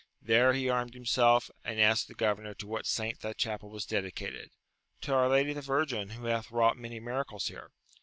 There he armed himself, and asked the gover nor to what saint that chapel was dedicated.— To our Lady the Virgin, who hath wrought many miracles here.